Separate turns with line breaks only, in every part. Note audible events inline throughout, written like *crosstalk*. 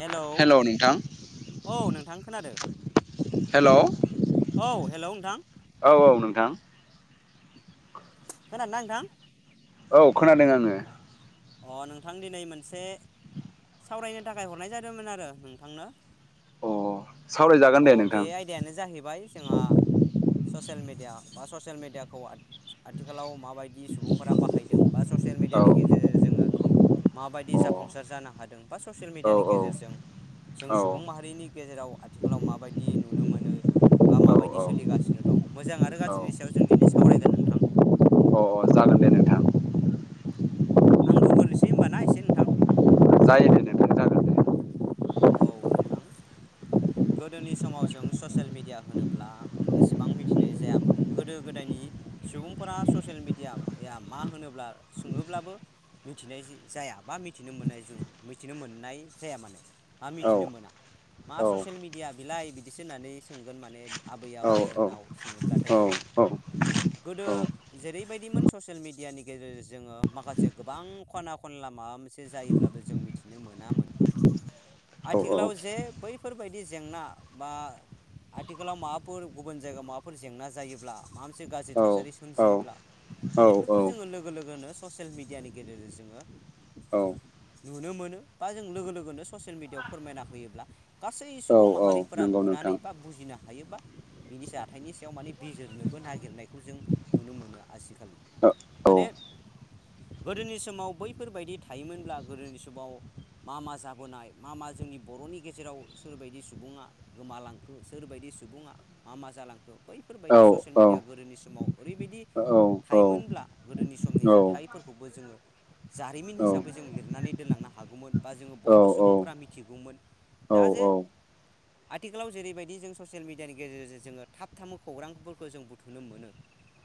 Hello औ नोंथां खोनादों औ
हेल'
हेलौ नोंथां
औ औ नोंथां
खोनादों ना नोंथां
औ खोनादों आङो
अ नोंथां दिनै मोनसे सावरायनो थाखाय हरनाय जादोंमोन आरो नोंथांनो।
अ सावरायजागोन
अ
दे
बे
नोंथां
आयदायानो जाहैबाय जोंहा ससियेल मिडिया बा ससियेल मिडियाखौ आथिखालाव माबायदि सुबुंफोरा बाहायदों बा ससियेल
औ
मिेडियानि गेजेरजों जोङो माबायदि जाफुंसार जानो हादों बा ससियेल
अ औ
मिडियानि गेजेरजों जों
औ
सुबुं माहारिनि गेजेराव आथिखालाव माबायदि नुनो मोनो बा माबायदि सोलिगासिनो दं मोजां आरो
औ
गाज्रिनि सायाव जों दिनै सावरायगोन नोंथां।
अ अ जागोन दे नोंथां।
आं बुंग्रोनोसै होमबाना एसे नोंथां।
जायो दे नोंथां। जागोन दे
औ नोंथां। गोदोनि समाव जों ससियेल मिडिया होनोब्ला एसेबां मिथिनाय जायामोन गोदो गोदायनि सुबुंफोरा ससियेल मिडिया मा होनोब्ला सोङोब्लाबो मिथिनाय जाया बा मिथिनो मोननाय जोङा मिथिनो मोननाय जाया माने बा
औ
मिथिनो मोना। मा
औ
ससियेल मिडिया बिलाय बिदिसो होननानै सोंगोन माने आबै
औ
आबौमोननाव सोङोब्लाथाय
औ
जोङो।
औ।
गोदो
औ
जेरैबायदिमोन ससियेल मिडियानि गेजेरजों जोङो माखासे गोबां खना खनला माबा मोनसे जायोब्लाबो जों‌ मिथिनो मोनामोन
औ
आथिखालाव जे बै फोरबायदि जेंना बा आथिखालाव माबाफोर गुबुन जायगायाव माबाफोर जेंना जायोब्ला माबा मोनसे गाज्रि थासारि सोमजियोब्ला
औ
बेफोरखौ जोङो लोगो लोगोनो ससियेल मिेडियानि गेजेरजों जोङो
औ
नुनो मोनो बा जों लोगो लोगोनो ससियेल मिडिया फोरमायना होयोब्ला गासै
औ
सुबुं
औ
माहारिफोरा
नंगौ नोंथां
नुनानै बा बुजिनो हायोबा बिनि जाथायनि नि सायाव माने बिजिरनोबो नागिरनायखौ जों नुनो मोनो आजखालि
औ औ
माने गोदोनि समाव बैफोरबायदि थायोमोनब्ला गोदोनि समाव मा मा जाबोनाय मा मा जोंनि बर'नि गेजेराव सोरबायदि सुबुङा गोमालांखो सोरबायदि सुबुङा मा मा जालांखो
औ
बैफोरबायदि ससियेल
औ
मिडिया गोदोनि समाव ओरैबायदि
औ औ औ औ
थायोमोनब्ला गोदोनि समनि जाथायफोरखौबो जोङो जारिमिन हिसाबै जों लिरनानै दोनलांनो हागौमोन बा जोङो बयबो सुबुं फोरा मिथिगौमोन दा जे आथिखालाव जेरैबायदि जों ससियेल मिडियानि गेजेरजों जोङो थाब थाबनो खौरांफोरखौ जों बुथुमनो मोनो।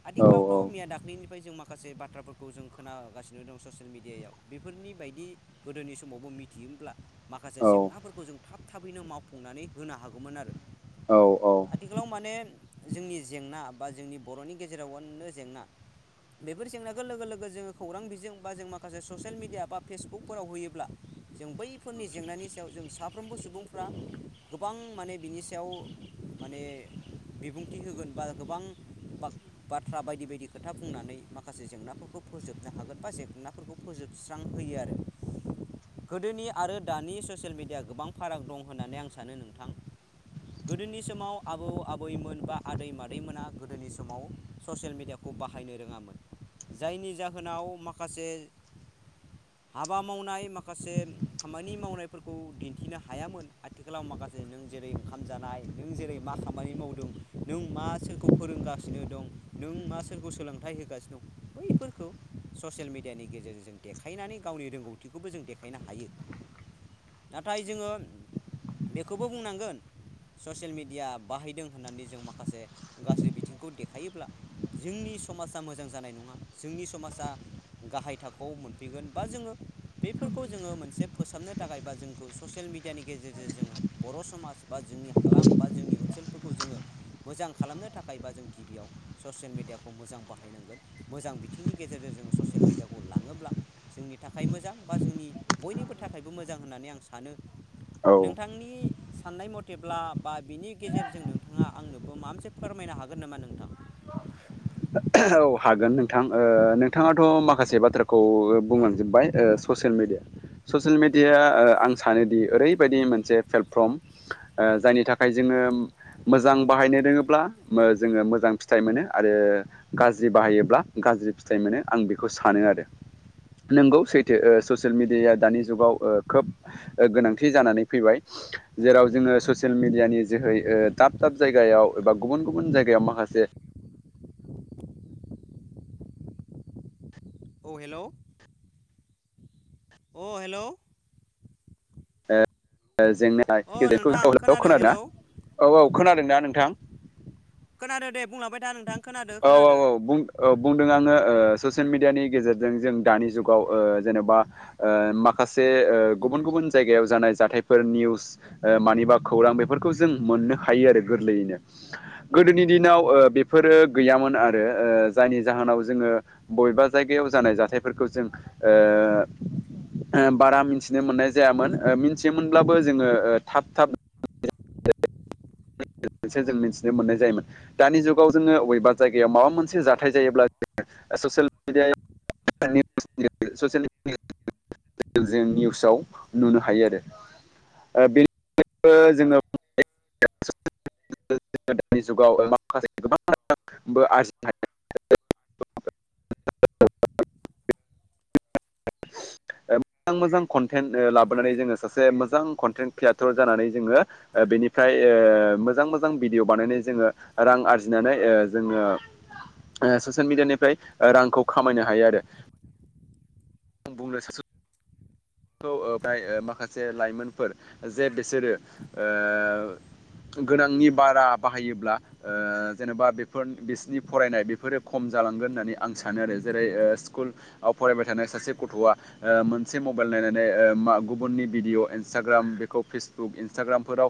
आदिखालावथ' मैया दाख निफ्राय जों माखासे बाथ्राफोरखौ जों खोनागासिनो दं ससियेल मिडियायाव बेफोरनि बायदि गोदोनि सम समावबो मिथियोब्ला माखासे जेंनाफोरखौ जों थाब थाबैनो मावफुंनानै होनो हागौमोन आरो
औ औ
आथिखालाव माने जोंनि जेंना बा जोंनि बर'नि गेजेरावनो जेंना बेफोर जेंनाखौ लोगो लोगो जोङो खौरां बिजों बा जों माखासे ससियेल मिडिया बा फेसबुकफोराव होयोब्ला जों बै फोरनि जेंनानि सायाव जों साफ्रोमबो सुबुंफ्रा गोबां माने बिनि सायाव माने बिबुंथि होगोन बा गोबां बा बाथ्रा बायदि बायदि खोथा बुंनानै माखासे जेंनाफोरखौ फोजोबनो हागोन बा जेंनाफोरखौ फोजोबनो स्रां होयो आरो गोदोनि आरो दानि ससियेल मिडिया गोबां फाराग दं होननानै आं सानो नोंथां गोदोनि समाव आबौ आबैमोन बा आदै मादैमोना गोदोनि समाव ससियेल मिडियाखौ बाहायनो रोङामोन। जायनि जाहोनाव माखासे हाबा मावनाय माखासे खामानि मावनायफोरखौ दिनथिनो हायामोन आथिखालाव माखासे नों जेरै ओंखाम जानाय नों जेरै मा खामानि मावदों नों मा सोरखौ फोरोंगासिनो दं नों मा सोरखौ सोलोंथाइ होगासिनो दं बैफोरखौ ससियेल मेडियानि गेजेरजों जों देखायनानै गावनि रोंगौथिखौबो जों देखायनो हायो। नाथाय जोङो बेखौबो बुंनांगोन ससियेल मेडिया बाहायदों होननानै जों माखासे गाज्रि बिथिंखौ देखायोब्ला जोंनि समाजा मोजां जानाय नङा जोंनि समाजा गाहाय थाखोयाव मोनफैगोन बा जोङो बेफोरखौ जोङो मोनसे फोसाबनो थाखाय बा जोंखौ ससियेल मिडियानि गेजेरजों जोङो बर' समाज बा जोंनि हालाम बा जोंनि ओन सोलफोरखौ जोङो मोजां खालामनो थाखाय बा जों गिबियाव ससियेल मिडियाखौ मोजां बाहायनांगोन। मोजां बिथिंनि गेजेरजों जोङो ससियेल मिडियाखौ लाङोब्ला जोंनि थाखाय मोजां बा जोंनि बयनिबो थाखायबो मोजां होननानै आं सानो।
औ
नोंथांनि साननाय मथेब्ला बा बिनि गेजेरजों नोंथाङा आंनोबो माबा मोनसे फोरमायनो हागोन नामा नोंथां *inaudible*
*unintelligible* औ हागोन नोंथां ओ नोंथाङाथ' माखासे बाथ्राखौ बुंलांजोबबाय ओ ससियेल मेडिया ससियेल मिडियाया ओ आं सानोदि ओरैबायदि मोनसे प्लेटफर्म जायनि थाखाय जोङो ओ मोजां बाहायनो रोङोब्ला मो जोङो मोजां फिथाइ मोनो आरो गाज्रि बाहायोब्ला गाज्रि फिथाइ मोनो आं बेखौ सानो आरो नोंगौ सैथो ओ ससियेल मिडियाया दानि जुगाव ओ खोब गोनांथि जानानै फैबाय। जेराव जोङो ससियेल मिडियानि जोहै ओ दाब दाब जायगायाव एबा गुबुन गुबुन जायगायाव माखासे
*inaudible* औ हेलौ' अ हेलौ'
ओ जेंना
अ
गेजेरखौ
नोंथां
*unintelligible*
खोनादो
खोनादों ना
हेलौ
औ औ खोनादों ना नोंथां
खोनादों दे बुंलांबाय था नोंथां खोनादों
औ
खोनादों।
औ बुं औ बुंदों आङो ओ ससियेल मिडियानि गेजेरजों जों दानि जुगाव ओ जेन'बा ओ माखासे ओ गुबुन गुबुन जायगायाव जानाय जाथायफोर निउस ओ मानिबा खौरां बेफोरखौ जों मोननो हायो आरो गोरलैयैनो। गोदोनि दिनाव ओ बेफोरो गैयामोन आरो ओ जायनि जाहोनाव जोङो ब बा जायगायाव जानाय जाथायफोरखौ जों ओ ओम बारा मिथिनो मोननाय जायामोन ओ मिथियोमोनब्लाबो जोङो ओ थाब थाब
*inaudible*
मोनसे जों मिथिनो मोननाय जायोमोन दानि जुगाव जोङो बबेबा जायगायाव माबा मोनसे जाथाय जायोब्ला। ससेल मेडियायाव *unintelligible* जों निउसाव नुनो हायो आरो बेनि जोङो *unintelligible* *unintelligible* दानि जुगाव माखासे गोबां आरजिनो हायो। *unintelligible* ओ मोजां मोजां कनटेन्ट ओ लाबोनानै जोङो सासे मोजां कनटेन्ट क्रियेटर जानानै जोङो ओ बेनिफ्राय ओ मोजां मोजां भिडिय' बानायनानै जोङो रां आरजिनानै ओ जोङो ओ ससियेल मिडियानिफ्राय ओ रांखौ खामायनो हायो आरो। आं बुंनो *unintelligible* खौ ओ फाय माखासे लाइमोनफोर जे बिसोरो ओ गोनांनि बारा बाहायोब्ला ओ जेनेबा बेफोर बिसिनि फरायनाय बेफोरो खम जालांगोन होननानै आं सानो आरो जेरै ओ स्कुल आव फरायबाय थानाय सासे गथ'आ ओ मोनसे बाइल नायनानै ओ मा गुबनि भिडअ इनस्ताग्राम बिखौ फेसबुक इनस्ताग्रामफोरा ओ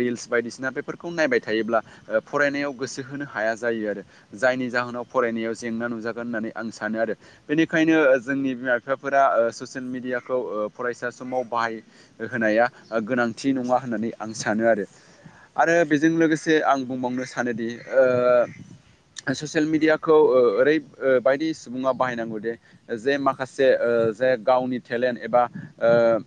रिलस बायदिसिना बेफोरखौ नायबाय थायोब्ला ओ फरायनायाव गोसो होनो हाया जायो आरो जायनि जाहोनाव फराय नियाव जेंना नुजागोन होननानै आं सानो आरो बेनिखायनो जोंनि बिमा बिफाफोरा ससियेल मिडिया खौ ओ फरायसा समाव बाहाय होनाया ओ गोनांथि नङा होननानै आं सानो आरो आरो बेजों लोगोसे आं बुंबावनो सानोदि ओ ससियेल मिेडियाखौ ओ ओरै ओ बायदि सुबुङा बाहायनांगौदे जे माखासे ओ जो जे गावनि टेलेन्ट एबा ओ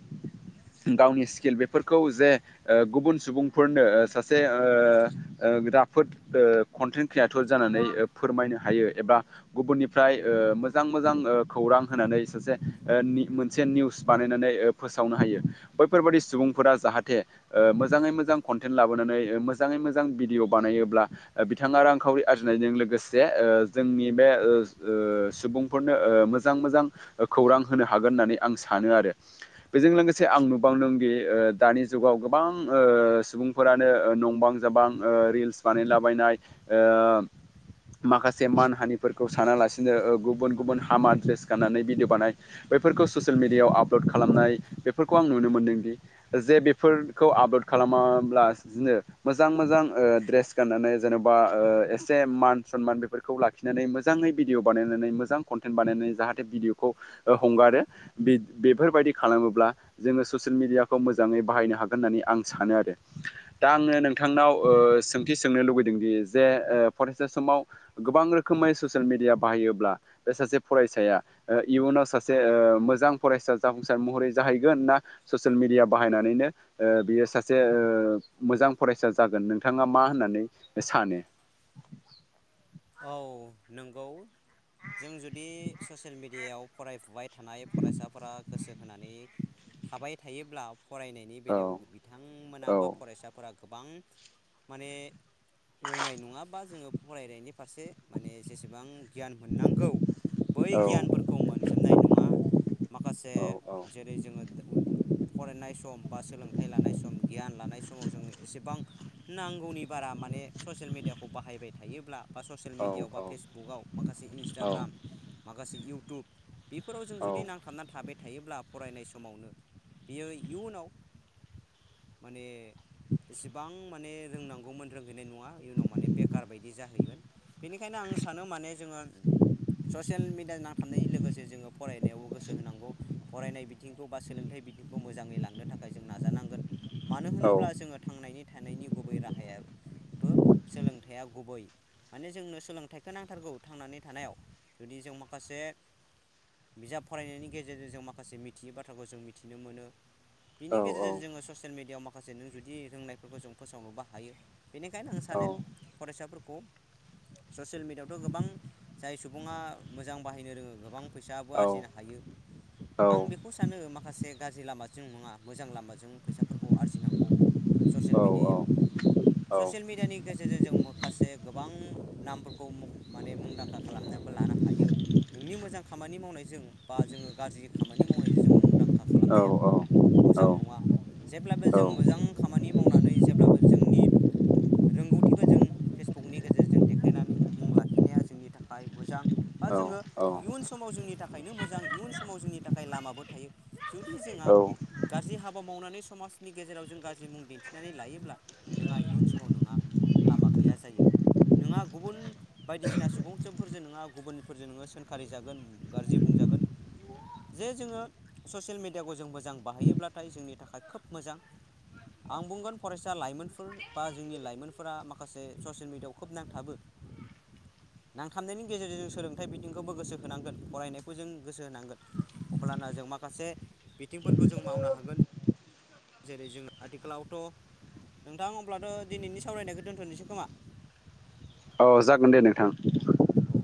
गावनि स्किल बेफोरखौ जे ओ गुबुन सुबुंफोरनो सासे ओ राफोद ओ कन्टेन्ट क्रियेटर जानानै फोरमायनो हायो एबा गुबुननिफ्राय ओ मोजां मोजां खौरां होनानै सासे ओ नि मोनसे निउस बानायनानै फोसावनो हायो बैफोरबादि सुबुंफोरा जाहाथे ओ मोजाङै मोजां कन्थेन लाबोनानै मोजाङै मोजां भिडिअ बानायोबब्ला बिथाङा रांखावरि आरजिनायजों लोगोसे जोंनि बे ओ ओ सुबुंफोरनो मोजां मोजां खौरां होनो हागोन होननानै आं सानो आरो बेजों लोगोसे आं नुबावदों ओ दि दानि जुगाव गोबां ओ सु सुबुंफोरानो नंबां जाबां ओ रिल्स ओ बानायलाबायनाय ओ माखासे मान हानिफोरखौ सानालासिनो ओ गुबुन गुबुन हामा ड्रेस गाननानै भिडिअ बानाय बैफोरखौ ससियेल मिडियायाव आपल'ड खालामनाय बेफोरखौ आं नुनो मोन्दोंदि जे बेफोरखौ आपल'ड खालामा ओमब्ला जिनो मोजां मोजां ओ गाननानै जेनबा ओ एसे मान सनमान बेफोरखौ लाखिनानै मोजाङै भिडिअ बानायनानै मोजां कन्टेन्ट बानायनानै जाहाथे भिदिअ खौ हंगारो बेफोरबायदि खालामोब्ला जोङो ससियेल मेडियाखौ मोजाङै बाहायनो हागोन होननानै आं सानो आरो। दा आङो नोंथांनाव ओ सोंथि सोंनो लुबैदोंदि जे फरायसा समाव गो बां रोखोमै ससियेल मिडिया बाहायोब्ला सासे फरायसाया इयुनाव सासे ओ मो मोजां फरायसा जाफुंसार महरै जाहैगोन ना ससियेल मिडिया बाहायनानैनो बियो सासे ओ मोजां फरायसा जागोन नोंथाङा मा होननानै सानो
*inaudible* औ नंगौ जों जुदि ससियेल मिडियायाव फरायफुबाय थानाय फरायसाफोरा गोसो होनानै थाबाय थायोब्ला फरायनायनि
औ
बेलायाव बिथांमोना
औ
बा फरायसाफोरा गोबां माने रोंनाय नङाबा जोङो फरायनायनि फारसे माने जेसेबां गियान मोननांगौ बै
औ
गियानफोरखौ मोनजोबनाय नङा। माखासे
औ
जेरै जोङो फरायनाय सम बा सोलोंथाइ लानाय सम गियान लानाय थानाय समाव जों एसेबां नांगौनि बारा माने ससियेल मिेडियाखौ बाहायबाय थायोब्ला बा ससियेल
औ
मिडियायाव बा फेसबुक आव माखासे
औ
इन्सटाग्राम माखासे इउटुब बिफोराव जों
औ औ
जुदि नांथाबनानै थाबाय थायोब्ला फरायनाय समावनो बियो इयुनाव माने एसेबां माने रोंनांगौमोन रोंहैनाय नङा इयुनाव माने बेखार बायदि जाहैगोन। बेनिखायनो आं सानो माने जोङो ससियेल मेडिया नांथाबनायजों लोगोसे जोङो फरायनायावबो गोसो होनांगौ फरायनाय बिथिंखौ बा सोलोंथाइ बिथिंखौ मोजाङै लांनो थाखाय जों नाजानांगोन मानो होनोब्ला जोङो थांनायनि थानायनि गुबै राहायाबो सोलोंथाइया गुबै माने जोंनो सोलोंथाइखौ नांथारगौ थांनानै थानायाव जुदि जों माखासे बिजाब फरायनायनि गेजेरजों जों माखासे मिथियै बाथ्राखौ जों मिथिनो मोनो। बिनि गेजेरजों जोङो ससियेल मिडियायाव माखासे नों जुदि रोंनायफोरखौ जों फोसावनोबो हायो। बिनिखायनो आं सानो फरायसाफोरखौ ससियेल मिडियायावथ' गोबां जाय सुबुङा मोजां बाहायनो रोङो गोबां फैसाबो आरजिनो हायो आं बेखौ सानो माखा से गाज्रि लामाजों नङा मोजां लामाजों फैसाफोरखौ आरजिनांगौ ससियेल मेडियायाव ससियेल मिडियानि गेजेरजों जों माखासे गोबां नामफोरखौ मुख माने मुंदांखा खालामनोबो लानो हायो नोंनि मोजां खामानि मावनायजों जों बा जोङो गाज्रि खामानि मावनायजों जों मुंदां खा खालामनाया
औ
मोजां नङा जेब्लाबो
औ
जों
औ
मोजां खामानि माव मावनानै जेब्लाबो जोंनि रोंगौथिखौ जों नि गेजेरजों देखायनानै मुं लाखिनाया जोंनि थाखाय मोजां बा
औ
जोङो
औ
इयुन समाव जोंनि जोंनि थाखायनो मोजां इयुन समाव जोंनि थाखाय लामाबो थायो जुदि जोंहा
औ
गाज्रि हाबा मावनानै समाजनि गेजेराव जों गाज्रि मुं दिन्थिनानै लायोब्ला नोंहा इयुन समाव नोंहा लामा गैया जायो। नोंङा गुबुन बायदिसिना सुबुंफोरजों नङा गुबुनफोरजों नोङो सोंखारि जागोन गाज्रि *unintelligible* बुंजागोन जे जोङो ससियेल मेडियाखौ जों मोजां बाहायोब्लाथाय जोंनि थाखाय खोब मोजां आं बुंगोन फरायसा लाइमोनफोर बा जोंनि लाइमोनफोरा माखासे ससियेल मिडियायाव मुखुब नांथाबो नांथाबनायनि गेजेरजों जों सोलोंथाइ बिथिंखौबो गोसो होनांगोन फरायनायखौ जों गोसो होनांगोन। अब्लाना जों माखासे बिथिंफोरखौ जों मावनो हागोन। जेरै जों आथिखालावथ' नोंथां अब्लाथ' दिनैनि सावरायनायखौ दोनथ'नोसै खोमा।
औ जागोन दे नोंथां।
औ।